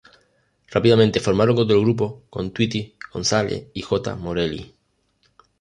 Rápidamente formaron otro grupo con "Tweety" Gonzalez y "Jota" Morelli.